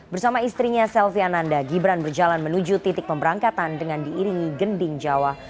bersama istrinya selvi ananda gibran berjalan menuju titik pemberangkatan dengan diiringi gending jawa